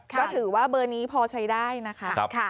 ก็ถือว่าเบอร์นี้พอใช้ได้นะคะ